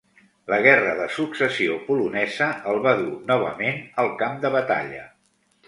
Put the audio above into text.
La Guerra de Successió polonesa el va dur novament al camp de batalla.